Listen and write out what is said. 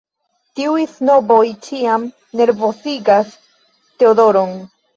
Tiuj snoboj ĉiam nervozigas Teodoron.